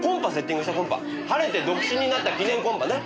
晴れて独身になった記念コンパね。